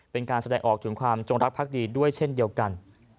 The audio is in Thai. เป็นการแสดงออกถึงความจงรักภักดีด้วยเช่นเดียวกัน